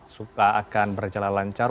suka akan berjalan lancar